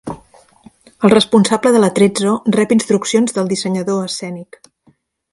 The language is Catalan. El responsable de l'atrezzo rep instruccions del dissenyador escènic.